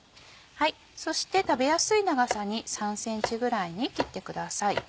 そして食べやすい長さに３ｃｍぐらいに切ってください。